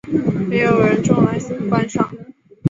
也有人种来观赏。